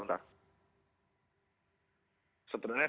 sebenarnya dedikasi yang dilakukan oleh pak handoko itu